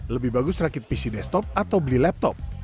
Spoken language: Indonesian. lebih bagus rakit pc destop atau beli laptop